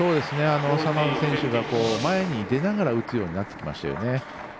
眞田選手が前に出ながら打つようになってきましたよね。